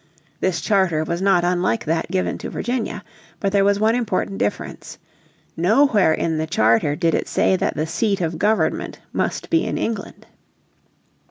This charter was not unlike that given to Virginia. But there was one important difference. Nowhere in the charter did it say that the seat of government must be in England.